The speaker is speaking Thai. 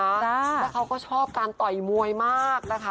แล้วเขาก็ชอบการต่อยมวยมากนะคะ